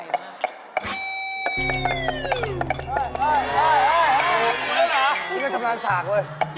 มีกระดานสากด้วย